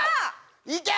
いけ！